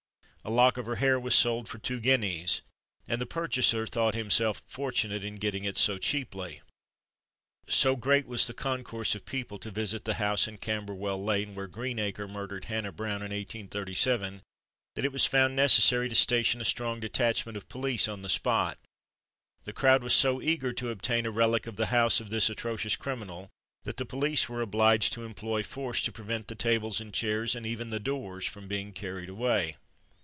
A lock of her hair was sold for two guineas, and the purchaser thought himself fortunate in getting it so cheaply. So great was the concourse of people to visit the house in Camberwell Lane, where Greenacre murdered Hannah Brown, in 1837, that it was found necessary to station a strong detachment of police on the spot. The crowd was so eager to obtain a relic of the house of this atrocious criminal, that the police were obliged to employ force to prevent the tables and chairs, and even the doors, from being carried away.